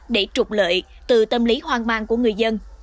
để trục lợi từ tâm lý hoang mang của người dân